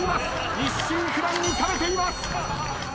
一心不乱に食べています。